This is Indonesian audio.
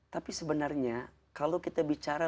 tapi sebenarnya kalau kita bicara